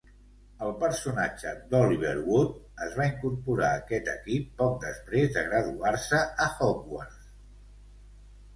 El personatge d"Oliver Wood es va incorporar a aquest equip poc després de graduar-se a Hogwarts.